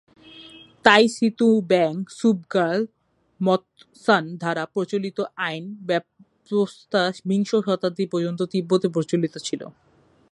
তা'ই-সি-তু-ব্যাং-ছুব-র্গ্যাল-ম্ত্শান দ্বারা প্রচলিত আইন ব্যবস্থা বিংশ শতাব্দী পর্যন্ত তিব্বতে প্রচলিত ছিল।